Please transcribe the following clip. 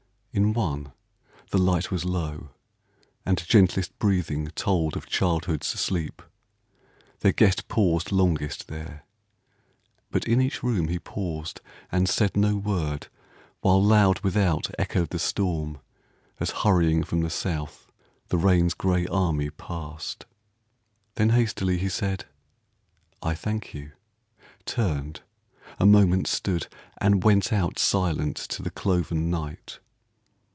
In one the light was low, And gentlest breathing told of childhood's sleep— Their guest paused longest there. But in each room He paused, and said no word, while loud without Echoed the storm, as hurrying from the South The rain's grey army passed. Then hastily He said: "I thank you," turned, a moment stood, And went out silent to the cloven night.